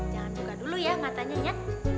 jangan buka dulu ya matanya ya